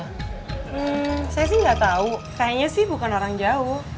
hmm saya sih gak tau kayaknya sih bukan orang jauh